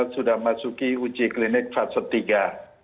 sudah masuki uji klinik fase tiga